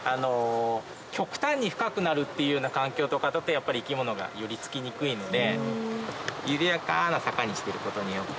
極端に深くなるっていうような環境とかだとやっぱり生き物が寄りつきにくいので。